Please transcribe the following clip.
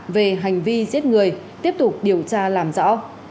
về hành vi giết người tiếp tục điều tra làm rõ